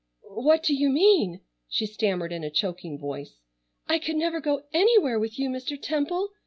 "What do you mean?" she stammered in a choking voice. "I could never go anywhere with you Mr. Temple.